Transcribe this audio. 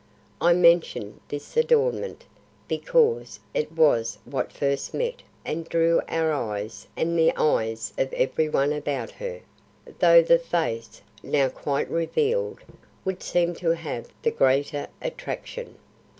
I mention this adornment, because it was what first met and drew our eyes and the eyes of every one about her, though the face, now quite revealed, would seem to have the greater attraction.